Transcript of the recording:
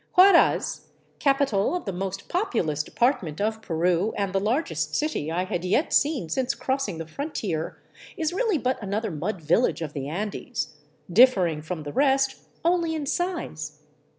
Huaraz, capital of the most populous department of Peru and the largest city I had yet seen since crossing the frontier, is really but an other mud village of the Andes, differing from the rest only in size.